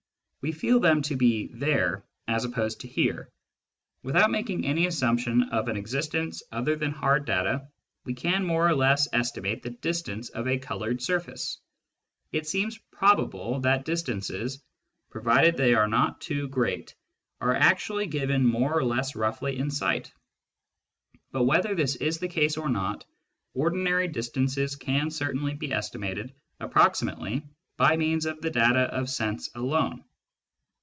We feel them to be " there " as opposed to " here "; without making any assumption of an existence other than hard data, we can more or less estimate the distance of a coloured surface. It seems probable that distances, provided they are not too great, are actually given more or less roughly in sight ; but whether this is the case or not, ordinary distances can certainly be estimated ap proximately by means of the data of sense alone.